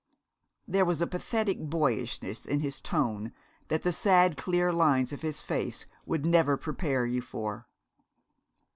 There was a pathetic boyishness in his tone that the sad, clear lines of his face would never prepare you for.